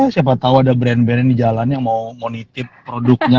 siapa tahu ada brand brand di jalan yang mau nitip produknya